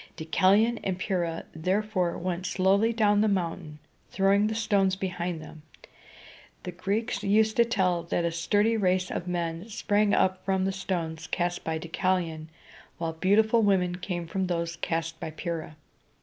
Deucalion and Pyrrha, therefore, went slowly down the mountain, throwing the stones behind them. The Greeks used to tell that a sturdy race of men sprang up from the stones cast by Deucalion, while beautiful women came from those cast by Pyrrha.